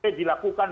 tidak bisa dilakukan